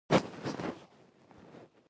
احسان بخت افغانستان ته تښتېدلی دی.